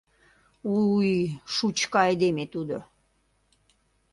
У-уй, шучко айдеме тудо!